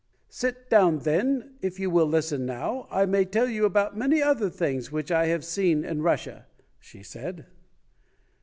"Sit down then. If you will listen now, I may tell you about many other things which I have seen in Russia", she said.